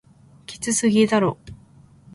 きつすぎだろ